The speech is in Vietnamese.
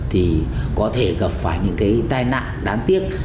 thì có thể gặp phải những cái tai nạn đáng tiếc